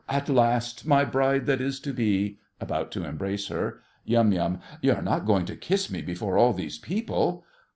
At last, my bride that is to be! (About to embrace her.) YUM. You're not going to kiss me before all these people?